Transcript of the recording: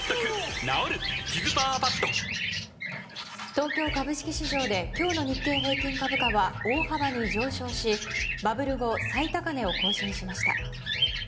東京株式市場で今日の日経平均株価は大幅に上昇しバブル後最高値を更新しました。